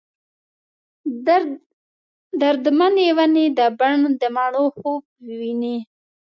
درد منې ونې د بڼ ، دمڼو خوب وویني